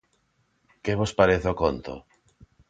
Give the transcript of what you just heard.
Que vos parece o conto?